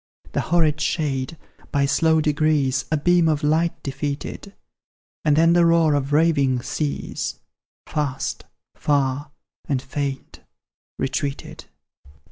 The horrid shade, by slow degrees, A beam of light defeated, And then the roar of raving seas, Fast, far, and faint, retreated.